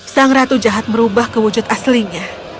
sang ratu jahat merubah kewujud aslinya